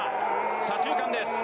左中間です。